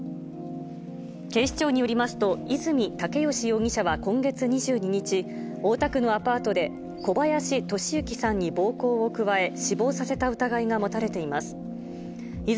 警視庁によりますと、泉竹良容疑者は今月２２日、大田区のアパートで、小林利行さんに暴行を加え、死亡させた疑いが持たれています。